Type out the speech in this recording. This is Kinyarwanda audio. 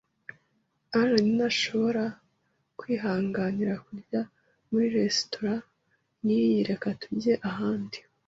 Alain ntashobora kwihanganira kurya muri resitora nkiyi reka tujye ahandi.